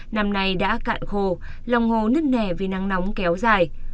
năm nay đã cạn khô lòng hồ nứt nẻ vì nắng nóng kéo dài